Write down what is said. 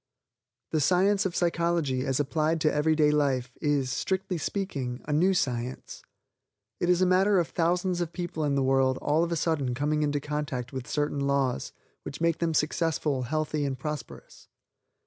The science of psychology as applied to everyday life is, strictly speaking, a new science. It is a matter of thousands of people in the world all of a sudden coming in contact with certain laws, which make them successful, healthy and prosperous.